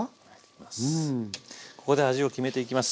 ここで味を決めていきます。